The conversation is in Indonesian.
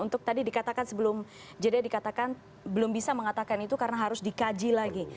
untuk tadi dikatakan sebelum jeda dikatakan belum bisa mengatakan itu karena harus dikaji lagi